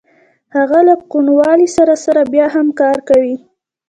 هغه له کوڼوالي سره سره بیا هم کار کوي